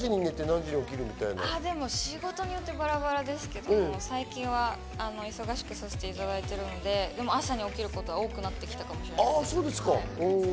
仕事によってバラバラですけど、最近は忙しくさせていただいているので、朝に起きることが多くなってきたかもしれない。